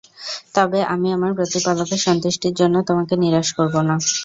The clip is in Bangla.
তবে আমি আমার প্রতিপালকের সন্তুষ্টির জন্য তোমাকে নিরাশ করব না।